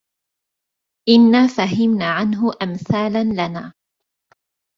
إنا فهمنا عنه أمثالا لنا